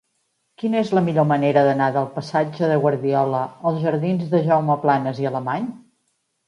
Quina és la millor manera d'anar del passatge de Guardiola als jardins de Jaume Planas i Alemany?